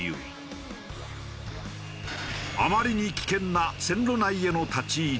あまりに危険な線路内への立ち入り。